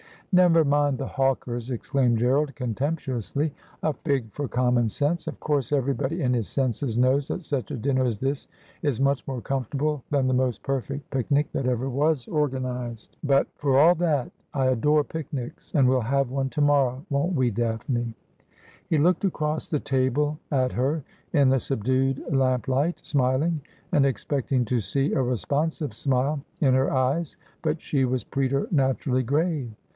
' Never mind the hawkers,' exclaimed Gerald contemptu ously. ' A fig for common sense. Of course, everybody in his senses knows that such a dinner as this is much more comfort able than the most perfect picnic that ever was organised. But, for all that, I adore picnics ; and we'll have one to morrow, won't we. Daphne ?' He looked across the table at her in the subdued lamp light, smiling, and expecting to see a responsive smile in her eyes ; but she was preternaturally grave.